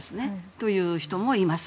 というかたもいます。